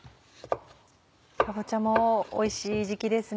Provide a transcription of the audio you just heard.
かぼちゃもおいしい時期ですね。